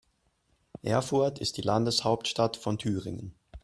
Erfurt ist die Landeshauptstadt von Thüringen.